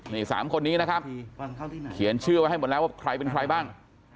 นี่๓คนนี้นะครับเขียนชื่อไว้ให้หมดแล้วว่าใครเป็นใครบ้าง